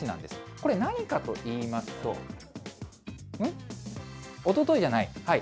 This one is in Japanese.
これ何かといいますと、おとといじゃない？